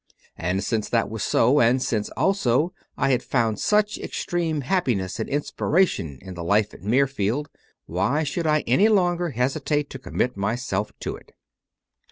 And since that was so, and since also I had found such extreme happiness and inspiration in the life at Mirfield, why should I any longer hesi tate to commit myself to it?